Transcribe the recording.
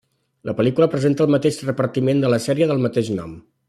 La pel·lícula presenta el mateix repartiment de la sèrie del mateix nom.